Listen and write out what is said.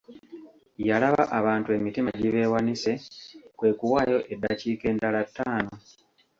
Yalaba abantu emitima gibeewanise kwe kuwaayo eddakiika endala ttaano.